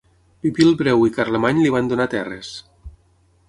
Pipí el Breu i Carlemany li van donar terres.